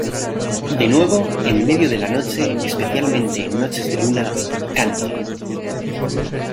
De nuevo, en medio de la noche, especialmente en noches de luna, canta.